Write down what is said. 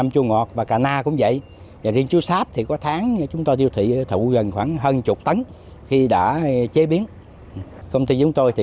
như nước mía rau má cóc chú sáp và mỗi tháng khoảng một mươi chai nước rau quả chế biến sâu như thế này